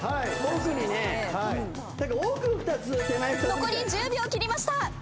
残り１０秒切りました。